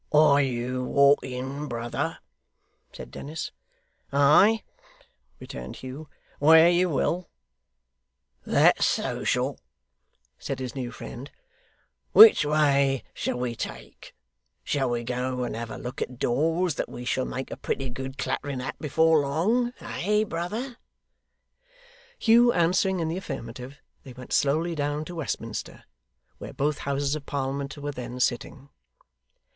'Are you walking, brother?' said Dennis. 'Ay!' returned Hugh. 'Where you will.' 'That's social,' said his new friend. 'Which way shall we take? Shall we go and have a look at doors that we shall make a pretty good clattering at, before long eh, brother?' Hugh answering in the affirmative, they went slowly down to Westminster, where both houses of Parliament were then sitting.